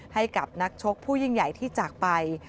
ให้กับนักชกผู้ยิ่งใหญ่ที่จากไป